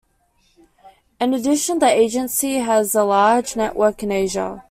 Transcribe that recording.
In addition, the agency has a large network in Asia.